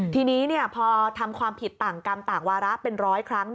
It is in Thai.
ทีนี้พอทำความผิดต่างกรรมต่างวาระเป็นร้อยครั้ง